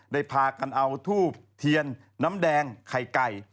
พากันเอาทูบเทียนน้ำแดงไข่ไก่